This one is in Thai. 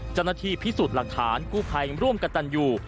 จนาทีพิสูจน์หลักฐานกู้ไพรร่วมกันตันอยู่